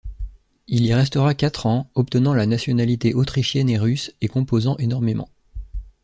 Il y restera quatre ans, obtenant la nationalité autrichienne et russe et composant énormément.